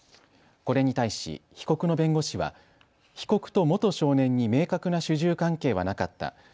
これに対し被告の弁護士は被告と元少年に明確な主従関係はなかった。